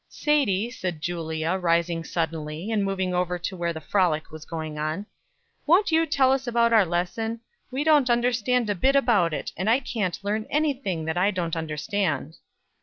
"Sadie," said Julia, rising suddenly, and moving over to where the frolic was going on, "won't you tell us about our lesson? We don't understand a bit about it; and I can't learn any thing that I don't understand."